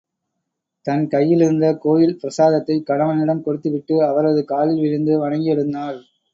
தன் கையிலிருந்த கோயில் பிரசாதத்தைக் கணவனிடம் கொடுத்து விட்டு, அவரது காலில் விழுந்து வணங்கி எழுந்தாள்.